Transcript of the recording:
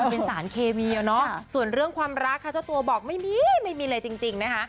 เป็นสารเคมีอ่ะเนอะส่วนเรื่องความรักค่ะเจ้าตัวบอกไม่มีไม่มีเลยจริงนะคะ